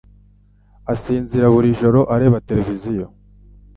asinzira buri joro areba televiziyo.